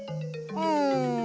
うん。